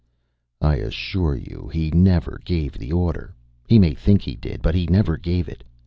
"I assure you he never gave the order. He may think he did, but he never gave it.